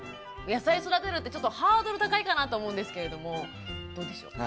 野菜育てるってちょっとハードル高いかなと思うんですけれどもどうでしょう？